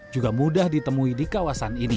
juga mudah ditemui di kota